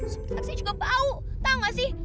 seperti taksi juga bau tau gak sih